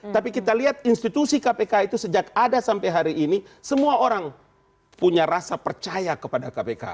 tapi kita lihat institusi kpk itu sejak ada sampai hari ini semua orang punya rasa percaya kepada kpk